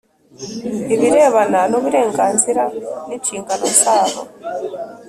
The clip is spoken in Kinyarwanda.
ibirebana n uburenganzira n inshingano zabo